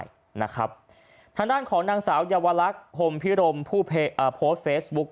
ทางด้านของนางสาวห่มพิรมพูดเฟซบุ๊ค